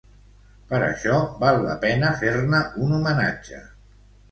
Per això, val la pena fer-ne un homenatge.